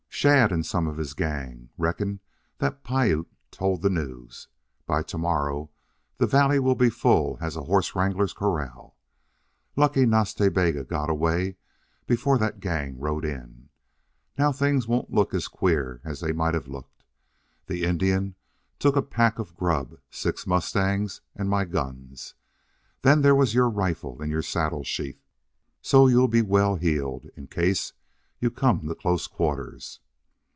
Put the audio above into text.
"Shadd and some of his gang. Reckon that Piute told the news. By to morrow the valley will be full as a horse wrangler's corral.... Lucky Nas Ta Bega got away before that gang rode in. Now things won't look as queer as they might have looked. The Indian took a pack of grub, six mustangs, and my guns. Then there was your rifle in your saddle sheath. So you'll be well heeled in case you come to close quarters.